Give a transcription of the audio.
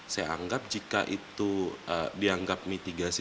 saya anggap jika itu dianggap mitigasi